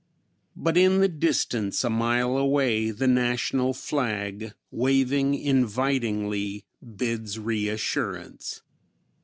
But in the distance, a mile away, the national flag waving invitingly bids reassurance.